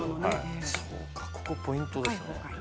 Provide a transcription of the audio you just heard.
そうかここポイントですね。